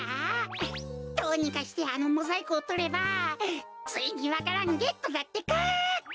どうにかしてあのモザイクをとればついにわか蘭ゲットだってか！